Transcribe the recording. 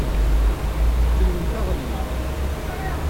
Kemmlemt aɣenni!